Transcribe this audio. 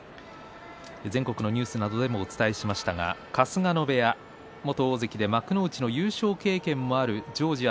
全国のニュースでもお伝えしましたが春日野部屋、元大関で幕内の優勝経験もあるジョージア